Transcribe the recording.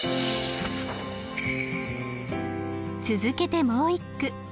続けてもう一句。